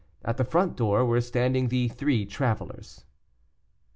At the front door were standing the three travelers.